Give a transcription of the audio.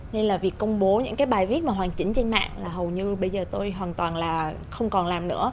nên là việc công bố những cái bài viết mà hoàn chỉnh trên mạng là hầu như bây giờ tôi hoàn toàn là không còn làm nữa